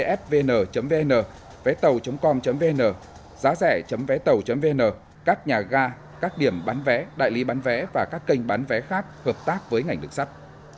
dfvn vn vétàu com vn giá rẻ vétàu vn các nhà ga các điểm bán vé đại lý bán vé và các kênh bán vé khác hợp tác với ngành lực sắt